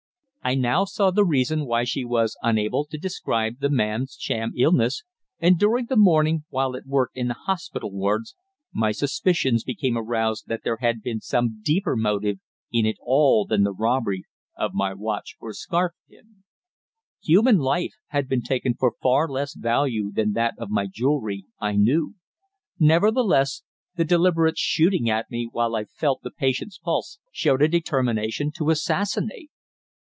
I now saw the reason why she was unable to describe the man's sham illness, and during the morning, while at work in the hospital wards, my suspicions became aroused that there had been some deeper motive in it all than the robbery of my watch or scarf pin. Human life had been taken for far less value than that of my jewellery, I knew; nevertheless, the deliberate shooting at me while I felt the patient's pulse showed a determination to assassinate.